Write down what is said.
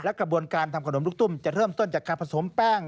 กระบวนการทำขนมลูกตุ้มจะเริ่มต้นจากการผสมแป้ง